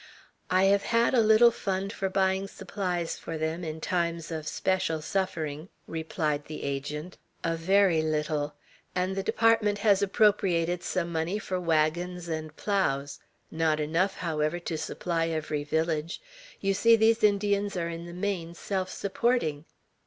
"I have had a little fund for buying supplies for them in times of special suffering;" replied the Agent, "a very little; and the Department has appropriated some money for wagons and ploughs; not enough, however, to supply every village; you see these Indians are in the main self supporting."